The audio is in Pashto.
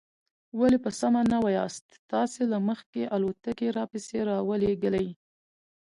ولې په سمه نه وایاست؟ تاسې له مخکې الوتکې را پسې را ولېږلې.